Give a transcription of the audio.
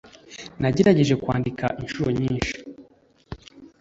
nagerageje kwandika inshuro nyinshi